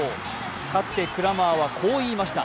かつてクラマーはこう言いました。